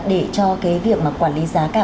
để cho cái việc mà quản lý giá cả